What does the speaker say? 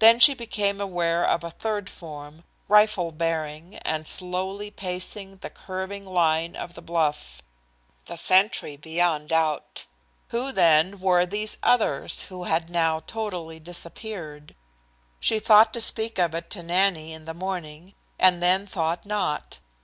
Then she became aware of a third form, rifle bearing, and slowly pacing the curving line of the bluff the sentry beyond doubt. Who, then, were these others who had now totally disappeared? She thought to speak of it to Nannie in the morning, and then thought not.